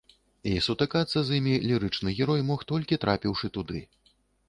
І сутыкацца з імі лірычны герой мог толькі трапіўшы туды.